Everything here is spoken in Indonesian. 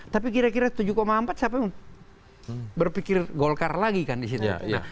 tapi kira kira tujuh empat siapa yang berpikir golkar lagi kan di situ